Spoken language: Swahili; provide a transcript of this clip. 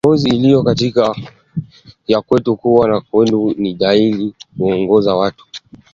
Ngozi iliyo katikati ya kwato kuwa na wekundu ni dalili ya kuoza kwato